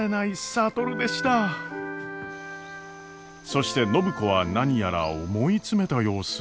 そして暢子は何やら思い詰めた様子。